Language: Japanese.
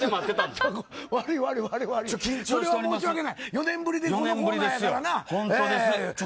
４年ぶりでこのコーナーやからな。